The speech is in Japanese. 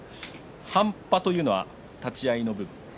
半端というのは立ち合いのことですか？